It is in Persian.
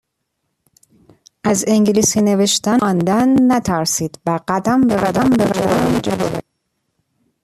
از انگلیسی نوشتن و خواندن نترسید و قدم به قدم جلو بروید.